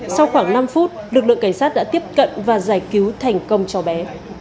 sau khoảng năm phút lực lượng cảnh sát đã tiếp cận và giải cứu thành công cháu bé